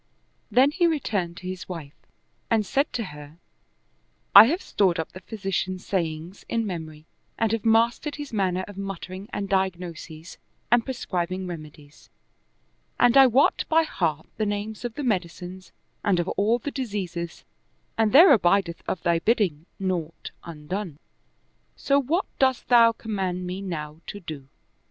Then he returned to his wife and said to her, "I have stored up the physician's sayings in memory and have mastered his manner of muttering and diagnoses and prescribing reme dies, and I wot by heart the names of the medicines and of all the diseases, and there abideth of thy bidding naught undone: so what dost thou command me now to do?"